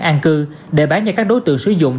an cư để bán cho các đối tượng sử dụng